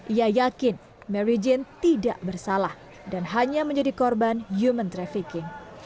ia yakin mary jin tidak bersalah dan hanya menjadi korban human trafficking